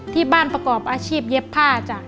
ที่บ้านประกอบอาชีพเย็บผ้าจ้ะ